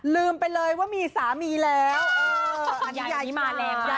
ลืมไปเลยว่ามีสามีแล้ว